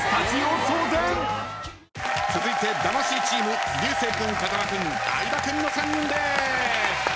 続いて魂チーム流星君風間君相葉君の３人。